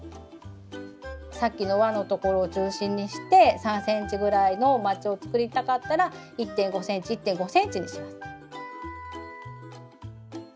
さっきのわのところを中心にして３ｃｍぐらいのまちを作りたかったら１．５ｃｍ１．５ｃｍにします。